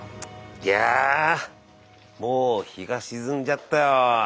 いやぁもう日が沈んじゃったよ。